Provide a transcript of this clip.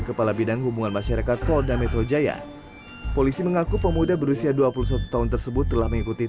kebijaksanaannya presiden dan bapak